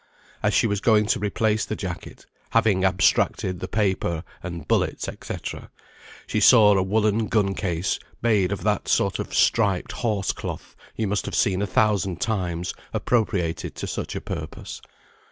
As she was going to replace the jacket, having abstracted the paper, and bullets, &c., she saw a woollen gun case made of that sort of striped horse cloth you must have seen a thousand times appropriated to such a purpose.